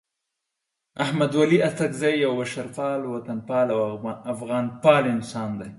احمد ولي اڅکزی یو بشرپال، وطنپال او افغانپال انسان دی.